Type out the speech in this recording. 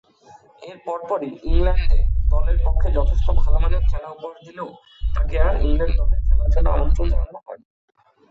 এর পরপরই England A দলের পক্ষে যথেষ্ট ভালোমানের খেলা উপহার দিলেও তাকে আর ইংল্যান্ড দলে খেলার জন্যে আমন্ত্রণ জানানো হয়নি।